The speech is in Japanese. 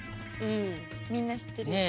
みんな知ってる。